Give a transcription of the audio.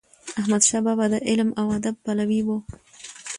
احمد شاه بابا د علم او ادب پلوی و.